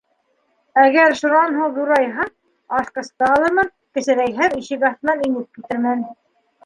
Әгәр шунан һуң ҙурайһам, асҡысты алырмын, кесерәйһәм —ишек аҫтынан инеп китермен.